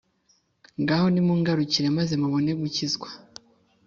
ngaho nimungarukire, maze mubone gukizwa,